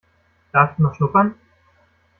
Darf ich mal schnuppern?